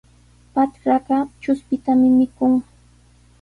Patrkaqa chushpitami mikun.